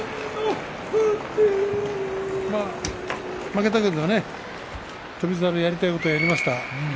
負けたけどね翔猿はやりたいことはやりました。